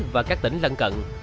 và các tỉnh lân cận